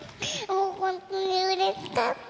もう本当にうれしかった。